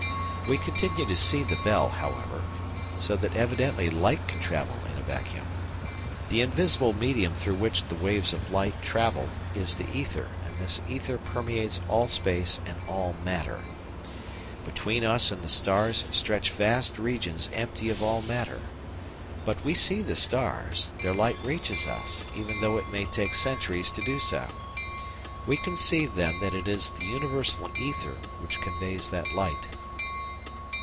We continue to see the bell, however, so that evidently light can travel in a vacuum. The invisible medium through which the waves of light travel is the ether, and this ether permeates all space and all matter. Between us and the stars stretch vast regions empty of all matter. But we see the stars; their light reaches us, even though it may take centuries to do so. We conceive, then, that it is the universal ether which conveys that light.